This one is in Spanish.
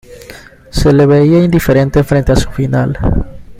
Se le veía indiferente frente a su final.